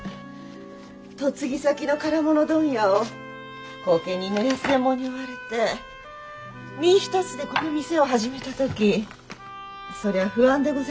嫁ぎ先の唐物問屋を後見人の安右衛門に追われて身一つでこの店を始めた時そりゃあ不安でございました。